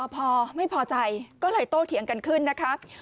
พอไม่พอใจก็เลยโตเถียงกันขึ้นนะคะ